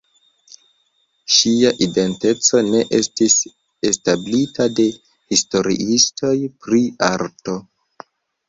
Ŝia identeco ne estis establita de historiistoj pri arto.